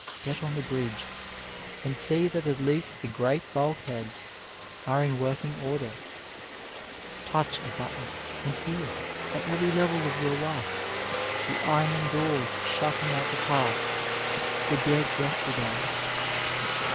Get on the bridge, and see that at least the great bulkheads are in working order. Touch a button and hear, at every level of your life, the iron doors shutting out the Past the dead yester days.